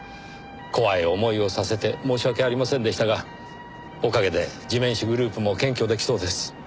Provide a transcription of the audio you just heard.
怖い思いをさせて申し訳ありませんでしたがおかげで地面師グループも検挙出来そうです。